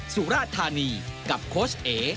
สุราธานีกับโค้ชเอก